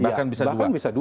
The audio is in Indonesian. bahkan bisa dua